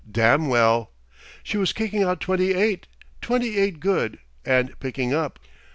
Damn' well. She was kicking out twenty eight twenty eight good and picking up.